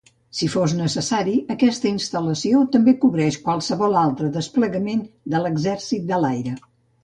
Si fos necessari, aquesta instal·lació també cobreix qualsevol altre desplegament de l'Exèrcit de l'Aire.